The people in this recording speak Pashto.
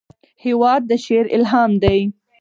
هېواد د شعر الهام دی.